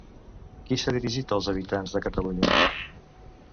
Qui s'ha dirigit als habitants de Catalunya?